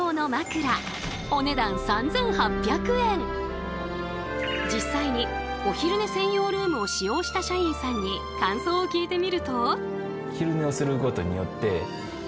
お値段実際にお昼寝専用ルームを使用した社員さんに感想を聞いてみると。